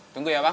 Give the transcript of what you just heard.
tunggu ya bang